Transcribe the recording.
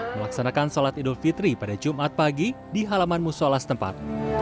melaksanakan sholat idul fitri pada jumat pagi di halaman musola setempat